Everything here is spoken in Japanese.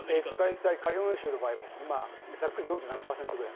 大体カリフォルニア州の場合はざっくり４７％ぐらい。